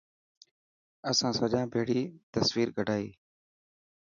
اسان سجان ڀيڙي تصويرو ڪڌائي.